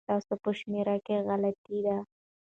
ستاسو په شمېره کي غلطي ده